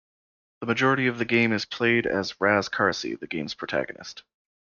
The majority of the game is played as Raz Karcy, the games protagonist.